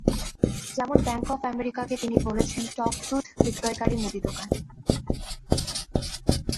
যেমন bank of আমেরিকাকে তিনি বলেছেন টক দুধ বিক্রয়কারী মুদি দোকান।